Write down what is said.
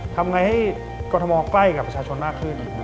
ทำไงให้กรทมใกล้กับประชาชนมากขึ้น